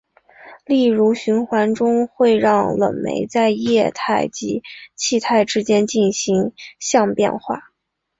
例如循环中会让冷媒在液态及气体之间进行相变化。